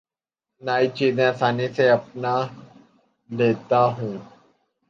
نئی چیزیں آسانی سے اپنا لیتا ہوں